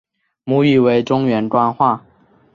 母语为中原官话。